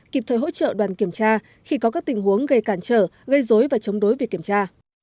kịp thời hỗ trợ đoàn kiểm tra khi có các tình huống gây cản trở gây dối và chống đối việc kiểm tra